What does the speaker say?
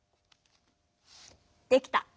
できた。